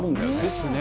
ですね。